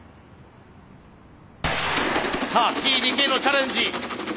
さあＴ・ＤＫのチャレンジ。